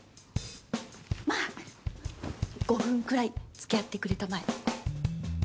まあ５分くらいつきあってくれたまえ。